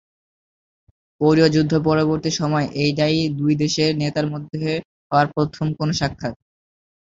কোরীয় যুদ্ধ পরবর্তী সময়ে এটাই দুই দেশের নেতার মধ্যে হওয়া প্রথম কোন সাক্ষাৎ।